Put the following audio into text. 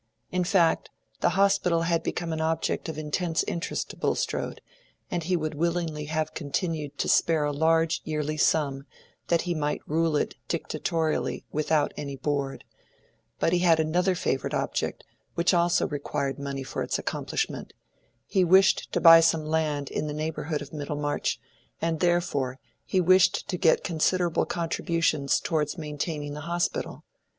In fact, the Hospital had become an object of intense interest to Bulstrode, and he would willingly have continued to spare a large yearly sum that he might rule it dictatorially without any Board; but he had another favorite object which also required money for its accomplishment: he wished to buy some land in the neighborhood of Middlemarch, and therefore he wished to get considerable contributions towards maintaining the Hospital.